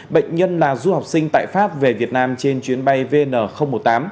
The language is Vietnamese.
bệnh nhân là du học sinh tại pháp về việt nam trên chuyến bay vn một mươi tám